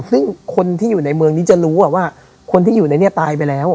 ซึ่งคนที่อยู่ในเมืองนี้จะรู้ว่าคนที่อยู่ในนี้ตายไปแล้ว